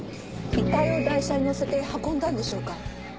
遺体を台車に載せて運んだんでしょうか？